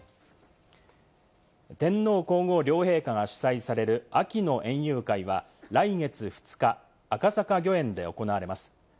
天皇皇后両陛下が主催される秋の園遊会は来月２日、赤坂御苑で行われます。